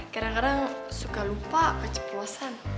kadang kadang suka lupa keceplosan